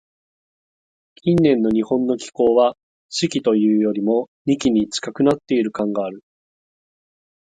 近年の日本の気候は、「四季」というよりも、「二季」に近くなっている感がある。